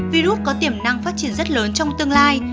virus có tiềm năng phát triển rất lớn trong tương lai